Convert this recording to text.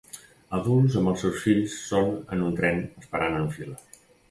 Adults amb els seus fills són en un tren esperant en fila